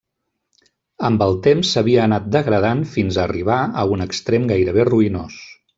Amb el temps s'havia anat degradant fins a arribar a un extrem gairebé ruïnós.